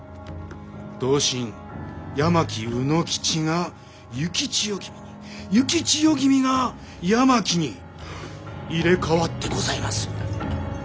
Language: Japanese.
同心八巻卯之吉が幸千代君に幸千代君が八巻に入れ代わってございます。